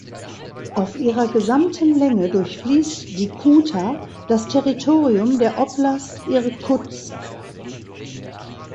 Auf ihrer gesamten Länge durchfließt die Kuta das Territorium der Oblast Irkutsk.